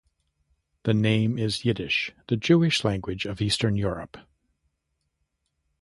The name is Yiddish, the Jewish language of eastern Europe.